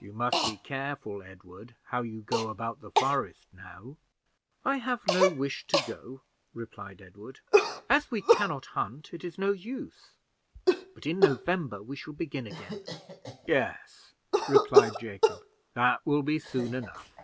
"You must be careful, Edward, how you go about the forest now." "I have no wish to go," replied Edward; "as we can not hunt, it is no use; but in November we shall begin again." "Yes," replied Jacob, "that will be soon enough.